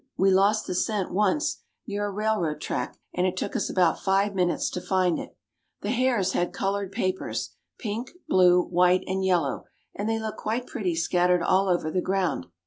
We lost the scent once, near a railroad track, and it took us about five minutes to find it. "The hares had colored papers, pink, blue, white, and yellow, and they looked quite pretty scattered all over the ground.